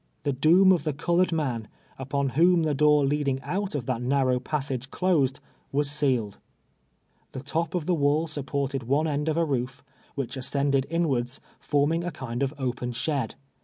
The doom of the erdored man, upon wliom the door leadini;: out of that narnnv^ passaii e closed, was sealed. The top of tlie wall sujiported one end of a roof, Avliich ascended inwards, formini; a kind of open shed.